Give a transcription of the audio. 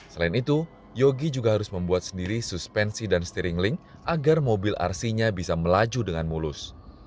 selain itu yogi juga harus membuat sendiri suspensi dan steering link agar mobil rc nya bisa melaju dengan mulus